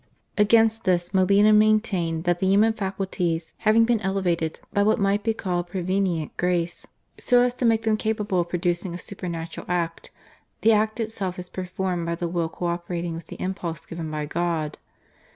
Against this Molina maintained that the human faculties having been elevated by what might be called prevenient Grace, so as to make them capable of producing a supernatural act, the act itself is performed by the will co operating with the impulse given by God.